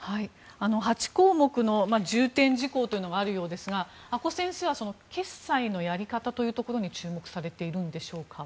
８項目の重点事項というのがあるようですが阿古先生は決済のやり方というところに注目されているんでしょうか。